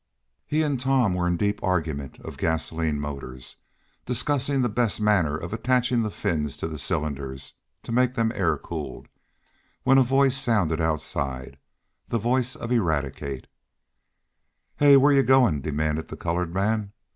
He and Tom were deep in an argument of gasoline motors, discussing the best manner of attaching the fins to the cylinders to make them air cooled, when a voice sounded outside, the voice of Eradicate: "Heah! Whar yo' goin'?" demanded the colored man.